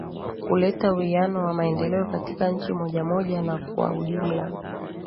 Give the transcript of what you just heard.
kuleta uwiano wa maendeleo katika nchi moja moja na kwa ujumla